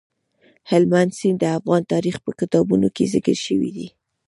هلمند سیند د افغان تاریخ په کتابونو کې ذکر شوی دی.